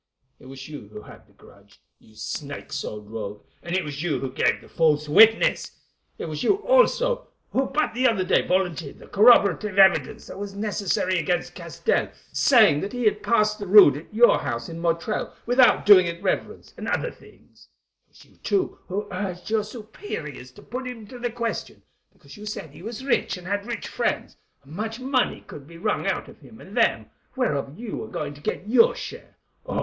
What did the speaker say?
It was you who had the grudge, you snake souled rogue, and it was you who gave the false witness. It was you, also, who but the other day volunteered the corroborative evidence that was necessary against Castell, saying that he had passed the Rood at your house in Motril without doing it reverence, and other things. It was you, too, who urged your superiors to put him to the question, because you said he was rich and had rich friends, and much money could be wrung out of him and them, whereof you were to get your share. Oh!